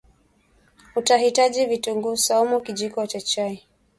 utahitaji Vitunguu swaumu kijiko cha chai